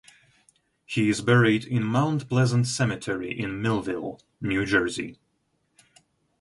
He is buried in Mount Pleasant Cemetery in Millville, New Jersey.